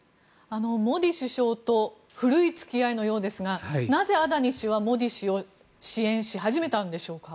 モディ首相と古い付き合いのようですがなぜ、アダニ氏はモディ氏を支援し始めたんでしょうか？